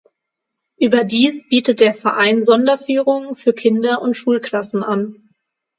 Überdies bietet der Verein Sonderführungen für Kinder und Schulklassen an.